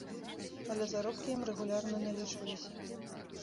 Але заробкі ім рэгулярна налічваліся.